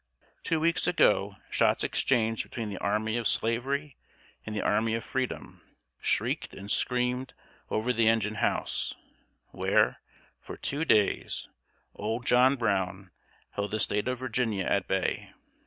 Two weeks ago shots exchanged between the army of Slavery and the army of Freedom shrieked and screamed over the engine house, where, for two days, Old John Brown held the State of Virginia at bay.